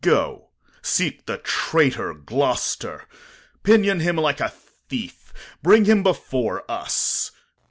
Go seek the traitor Gloucester, Pinion him like a thief, bring him before us.